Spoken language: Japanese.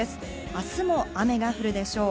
明日も雨が降るでしょう。